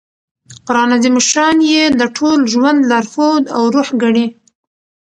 قران عظیم الشان ئې د ټول ژوند لارښود او روح ګڼي.